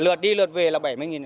lượt đi lượt về là bảy mươi